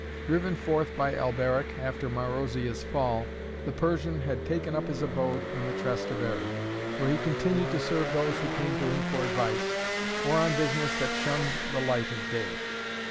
Driven forth by Alberic, after Marozia's fall, the Persian had taken up his abode in the Trastevere, where he continued to serve those who came to him for advice, or on business that shunned the light of day.